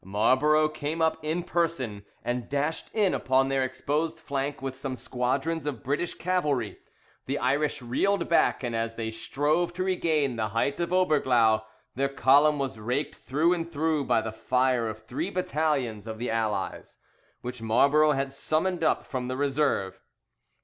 Marlborough came up in person, and dashed in upon their exposed flank with some squadrons of British cavalry. The Irish reeled back, and as they strove to regain the height of Oberglau, their column was raked through and through by the fire of three battalions of the Allies, which Marlborough had summoned up from the reserve.